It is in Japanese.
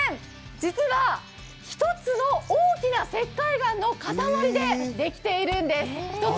実は１つの大きな石灰岩の塊でできているんです。